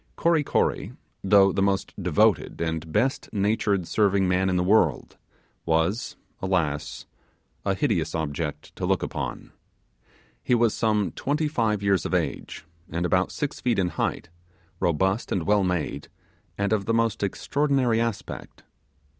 Kory Kory, though the most devoted and best natured serving man in the world, was, alas! a hideous object to look upon. He was some twenty five years of age, and about six feet in height, robust and well made, and of the most extraordinary aspect.